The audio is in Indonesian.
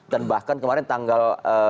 dan bahkan kemarin tanggal